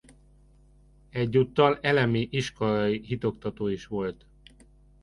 Egyúttal elemi iskolai hitoktató is volt.